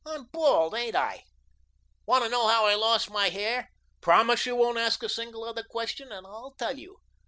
"I'm bald, ain't I? Want to know how I lost my hair? Promise you won't ask a single other question and I'll tell you.